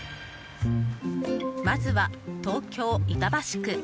まずは、東京・板橋区。